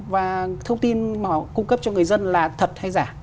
và thông tin mà cung cấp cho người dân là thật hay giả